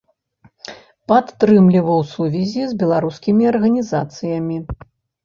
Падтрымліваў сувязі з беларускімі арганізацыямі.